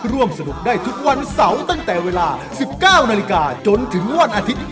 ร่วมสนุกได้ทุกวันเสาร์ตั้งแต่เวลา๑๙นาฬิกาจนถึงวันอาทิตย์